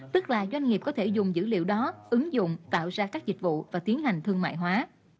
tức là doanh nghiệp có thể dùng dữ liệu đó ứng dụng tạo ra các dịch vụ và tiến hành thương mại hóa